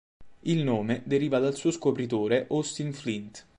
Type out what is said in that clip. Il nome deriva dal suo scopritore, Austin Flint.